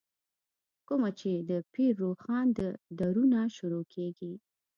کومه چې دَپير روښان ددورنه شروع کيږې